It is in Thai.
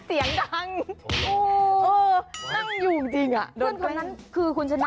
ต้องแต่วันตีแล้วนะคุณชนะ